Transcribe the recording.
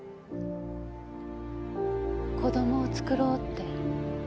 「子供をつくろう」って。